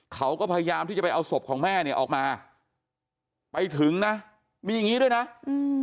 เขาก็พยายามที่จะไปเอาศพของแม่เนี่ยออกมาไปถึงนะมีอย่างงี้ด้วยนะอืม